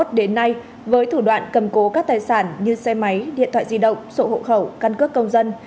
đến nay với thủ đoạn cầm cố các tài sản như xe máy điện thoại di động sổ hộ khẩu căn cước công dân